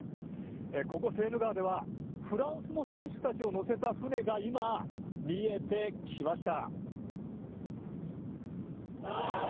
ここ、セーヌ川では、フランスの選手たちを乗せた船が今、見えてきました。